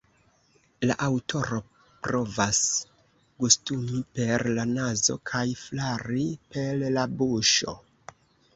La aŭtoro provas gustumi per la nazo kaj flari per la buŝo.